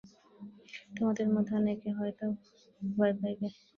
তোমাদের মধ্যে অনেকে হয়তো ভয় পাইবে।